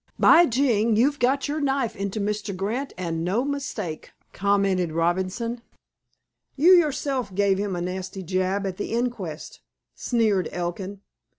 "By jing, you've got your knife into Mr. Grant, an' no mistake," commented Robinson. "You yourself gave him a nasty jab at the inquest," sneered Elkin.